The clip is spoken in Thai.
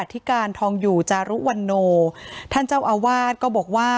ที่การทองอยู่จารุวันโนท่านเจ้าอาวาสก็บอกว่า